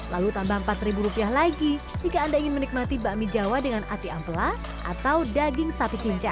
lalu tambah rp empat lagi jika anda ingin menikmati bakmi jawa dengan ati ampla atau daging satu cinca